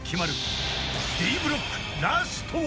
［Ｄブロックラストは］